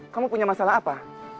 kamu punya masalah apa